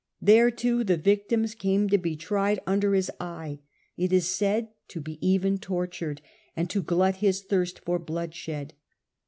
There too the victims came to be tried under his eye, it is said to be even tortured, and to glut his thirst for The trials bloodshed.